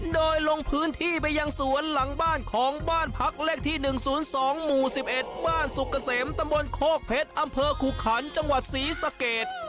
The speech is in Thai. โดยลงพื้นที่ไปยังสวนหลังบ้านของบ้านพักเลขที่๑๐๒หมู่๑๑บ้านสุกเกษมตำบลโคกเพชรอำเภอขู่ขันจังหวัดศรีสะเกด